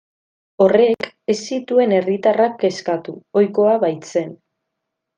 Horrek ez zituen herritarrak kezkatu, ohikoa baitzen.